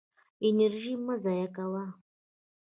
انرژي مه ضایع کوه.